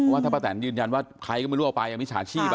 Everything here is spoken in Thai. ว่าถ้าป้าแตนยืนยันว่าใครก็ไม่รู้เอาไปมิจฉาชีพ